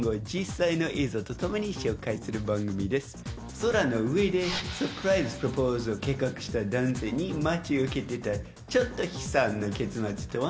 空の上でサプライズプロポーズを計画した男性に待ち受けてたちょっと悲惨な結末とは？